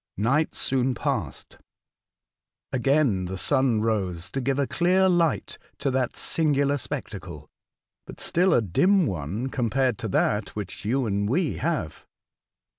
Night soon passed. Again the sun rose to give a clear light to that singular spectacle, but still a dim one compared to that which you and we have.